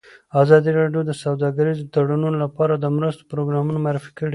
ازادي راډیو د سوداګریز تړونونه لپاره د مرستو پروګرامونه معرفي کړي.